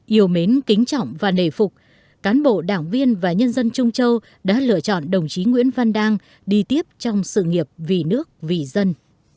yêu mến kính trọng và nề phục cán bộ đảng viên và nhân dân trung châu đã lựa chọn đồng chí nguyễn văn đang đi tiếp trong sự nghiệp vì nước vì dân